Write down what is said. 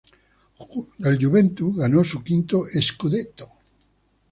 Juventus ganó su quinto "scudetto".